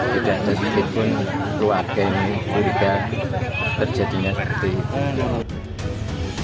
tidak ada sedikitpun keluarga yang keturigaan terjadinya seperti itu